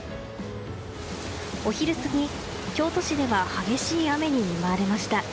お昼過ぎ、京都市では激しい雨に見舞われました。